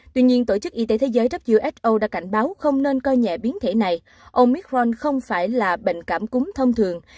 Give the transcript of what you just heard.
tuy nhiên tổ chức y tế thế giới đã cảnh báo không nên coi nhẹ biến thể này omicron không phải là bệnh cảm cúng thông thường